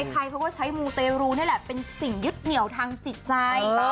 ใครเขาก็ใช้มูเตรูนี่แหละเป็นสิ่งยึดเหนียวทางจิตใจ